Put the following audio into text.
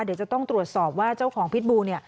เดี๋ยวจะต้องตรวจสอบว่าเจ้าของพิษบู